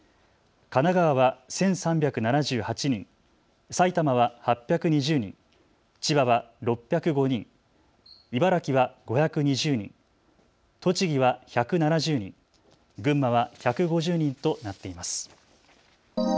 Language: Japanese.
神奈川は１３７８人、埼玉は８２０人、千葉は６０５人、茨城は５２０人、栃木は１７０人、群馬は１５０人となっています。